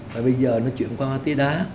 và bây giờ nó chuyển qua ma túy đá